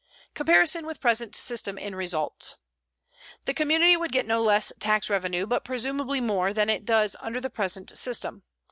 COMPARISON WITH PRESENT SYSTEM IN RESULTS The community would get no less tax revenue, but presumably more, than it does under the present system.